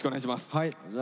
はい。